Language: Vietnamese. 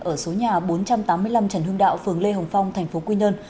ở số nhà bốn trăm tám mươi năm trần hương đạo phường lê hồng phong tp quy nhơn